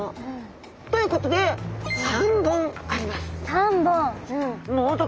ということで３本あります。